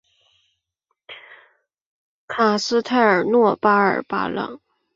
卡斯泰尔诺巴尔巴朗。